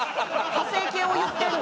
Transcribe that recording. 派生形を言ってるの？